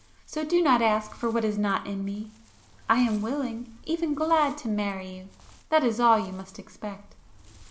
So do not ask for what is not in me. I am willing—even glad to marry you; that is all you must expect."